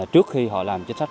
trước khi họ làm chính sách